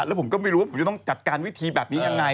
แล้วผมก็ไม่รู้ว่าผมจะต้องจัดการวิธีแบบนี้ยังไง